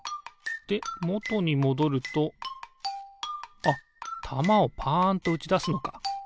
でもとにもどるとあったまをパンとうちだすのか。